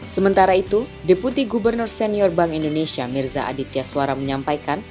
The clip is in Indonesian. sementara itu deputi gubernur senior bank indonesia mirza aditya suara menyampaikan